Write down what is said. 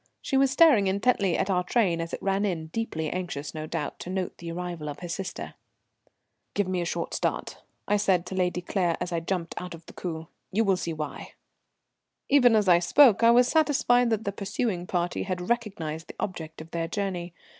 She was staring intently at our train as it ran in, deeply anxious, no doubt, to note the arrival of her sister. "Give me a short start," I said to Lady Claire as I jumped out of the coupé. "You will see why." Even as I spoke I was satisfied that the pursuing party had recognized the object of their journey.